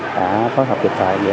đã phối hợp kịch tài